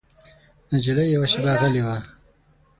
نجلۍ يوه شېبه غلې وه.